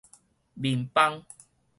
面枋